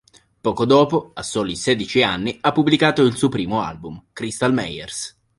Poco dopo, a soli sedici anni, ha pubblicato il suo primo album, "Krystal Meyers".